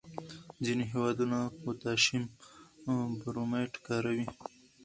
ځینې هېوادونه پوټاشیم برومیټ کاروي.